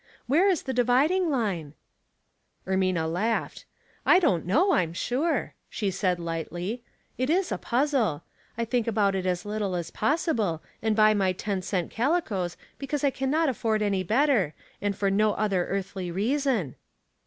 Where is the dividing line ?" Ermina laughed. " I don't know, I'm sure," she said, lightly. " It is a puzzle. I think about it as little as possible, and buy my ten cent calicoes because I can not afford any better, and for no other earthly reason."